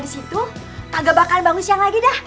di situ kagak bakalan bangun siang lagi dah